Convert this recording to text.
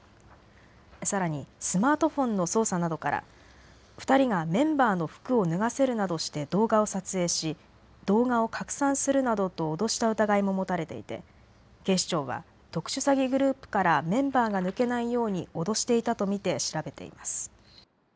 さらにスマートフォンの捜査などから２人がメンバーの服を脱がせるなどして動画を撮影し、動画を拡散するなどと脅した疑いも持たれていて警視庁は特殊詐欺グループからメンバーが抜けないように脅していたと見て調べています。